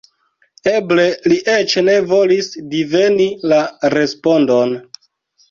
Eble li eĉ ne volis diveni la respondon.